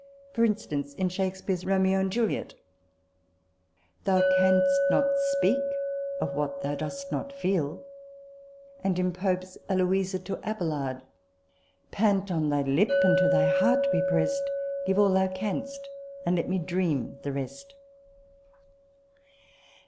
For instance, in Shake speare's Romeo and Juliet: " Thou canst not speak of what thou dost not feel ";* and in Pope's " Eloisa to Abelard ":" Pant on thy lip, and to thy heart be prest ; Give all thou canst, and let me dream the rest."